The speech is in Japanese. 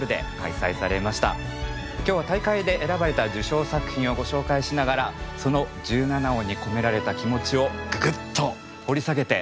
今日は大会で選ばれた受賞作品をご紹介しながらその十七音に込められた気持ちをググッと掘り下げて楽しんでいきます。